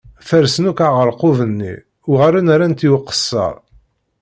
Fersen akk aɛerqub-nni, uɣalen rran-tt i uqeṣṣer.